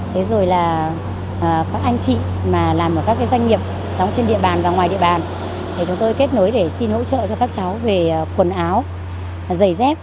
thế rồi là các anh chị mà làm ở các doanh nghiệp đóng trên địa bàn và ngoài địa bàn thì chúng tôi kết nối để xin hỗ trợ cho các cháu về quần áo giày dép